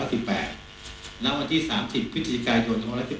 ลังวันที่๓๐คริสติกายนยนตร์๒๐๑๘